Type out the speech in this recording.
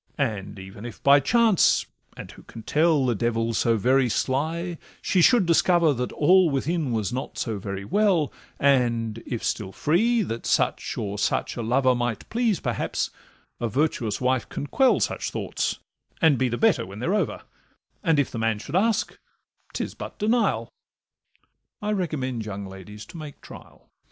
And even if by chance—and who can tell? The devil 's so very sly—she should discover That all within was not so very well, And, if still free, that such or such a lover Might please perhaps, a virtuous wife can quell Such thoughts, and be the better when they're over; And if the man should ask, 'tis but denial: I recommend young ladies to make trial.